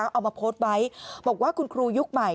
เอามาโพสต์ไว้บอกว่าคุณครูยุคใหม่